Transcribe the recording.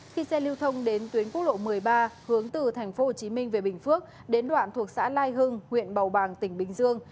khi xe lưu thông đến tuyến quốc lộ một mươi ba hướng từ tp hcm về bình phước đến đoạn thuộc xã lai hưng huyện bầu bàng tỉnh bình dương